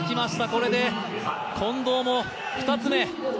これで近藤も２つ目。